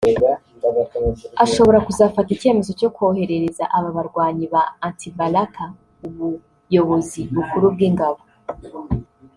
ashobora kuzafata icyemezo cyo koherereza aba barwanyi ba Antibalaka ubuyobozi bukuru bw’ingabo